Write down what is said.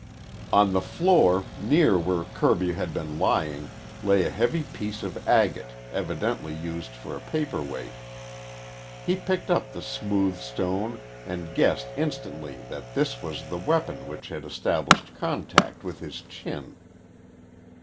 On the floor, near where Kirby had been lying, lay a heavy piece of agate evidently used for a paperweight. He picked up the smooth stone and guessed instantly that this was the weapon which had established contact with his chin.